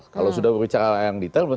kalau sudah berbicara yang detail